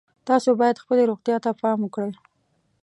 تاسو باید خپلې روغتیا ته پام وکړئ